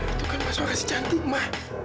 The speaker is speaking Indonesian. itu kan suara si cantik ma